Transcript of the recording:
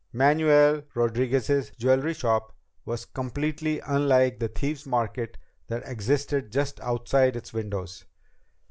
Manuel Rodriguez's jewelry shop was completely unlike the Thieves' Market that existed just outside its windows.